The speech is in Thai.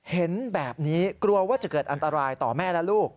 เห็นแบบนี้กลัวว่าจะเกิดอันตรายต่อแม่และลูก